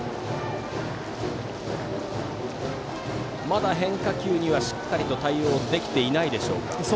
まだ変化球にはしっかり対応できていないでしょうか。